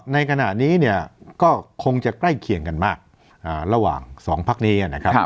ในขณะนี้เนี่ยก็คงจะใกล้เคียงกันมากระหว่าง๒พักนี้นะครับ